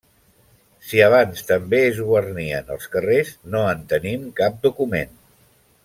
Si abans també es guarnien els carrers no en tenim cap document.